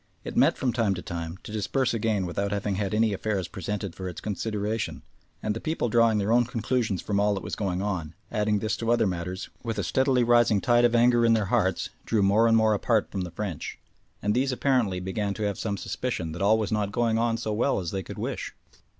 It met from time to time, to disperse again without having had any affairs presented for its consideration, and the people drawing their own conclusions from all that was going on, adding this to other matters, with a steadily rising tide of anger in their hearts, drew more and more apart from the French, and these apparently began to have some suspicion that all was not going on so well as they could wish.